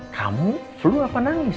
kamu selalu kenapa nangis